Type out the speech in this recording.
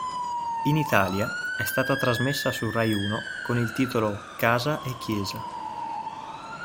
In Italia è stata trasmessa su RaiUno con il titolo "Casa e chiesa".